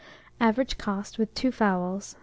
Average cost, with 2 fowls, 6s.